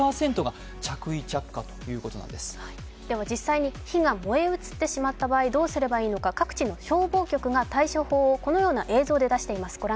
実際に火が燃え移ってしまった場合、どうすればいいのか各地の消防局が対処法をこのような映像で出しています。